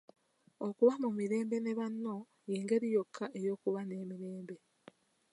Okuba mu mirembe ne banno y'engeri yokka ey'okuba n'emirembe.